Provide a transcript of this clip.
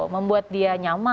membuat dia nyaman